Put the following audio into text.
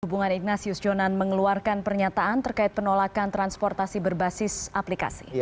hubungan ignatius jonan mengeluarkan pernyataan terkait penolakan transportasi berbasis aplikasi